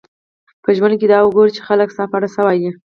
په ژوند کښي دا وګوره، چي خلک ستا په اړه څه وايي.